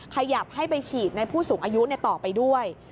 ขยับให้ไปฉีดในผู้สูงอายุต่อไปด้วย